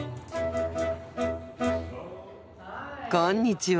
こんにちは。